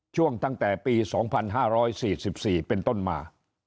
ตั้งแต่ปี๒๕๔๔เป็นต้นมา